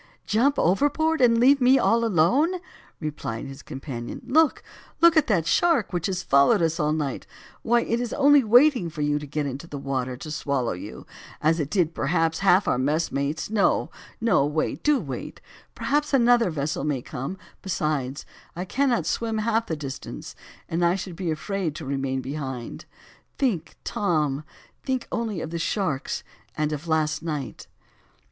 jump overboard, and leave me all alone!" replied his companion, "look, look at that shark, which has followed us all night, why it is only waiting for you to get into the water to swallow you, as it did perhaps half of our messmates; no, no, wait, do wait, perhaps another vessel may come, besides, I cannot swim half the distance, and I should be afraid to remain behind, think, Tom, only think of the sharks and of last night."